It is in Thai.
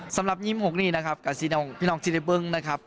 สำหรับยิ้มหกนี่นะครับกับพี่น้องจินได้เบิ้งนะครับ